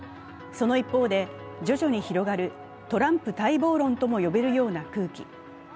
その一方で、徐々に広がるトランプ待望論とも呼べる空気。